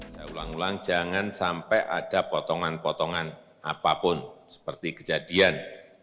saya ulang ulang jangan sampai ada potongan potongan apapun seperti kejadian